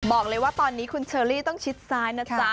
บอกเลยว่าตอนนี้คุณเชอรี่ต้องชิดซ้ายนะจ๊ะ